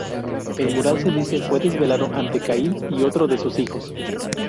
El mural, se dice, fue desvelado ante Caín y otro de sus hijos.